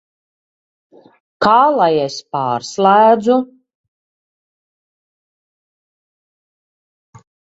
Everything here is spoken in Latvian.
Kā lai es pārslēdzu?